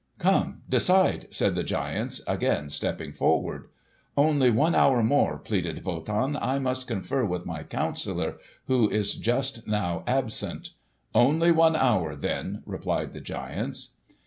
"Come, decide!" said the giants, again stepping forward. "Only one hour more," pleaded Wotan. "I must confer with my counsellor who is just now absent." "Only one hour, then," replied the giants.